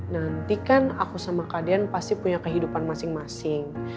nanti kan aku sama kak dian pasti punya kehidupan masing masing